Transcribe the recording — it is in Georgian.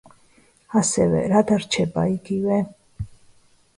ასევე, რა დარჩება იგივე?